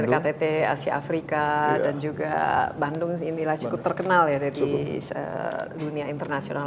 ktt asia afrika dan juga bandung inilah cukup terkenal ya di dunia internasional